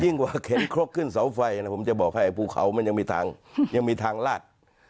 จริงว่าเข็นเคร็ดขึ้นเสาไฟผมจะบอกให้พูดเขามันยังมีทางลาด